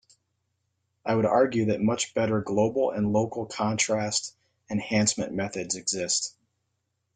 I would argue that much better global and local contrast enhancement methods exist.